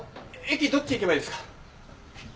駅どっち行けばいいですか？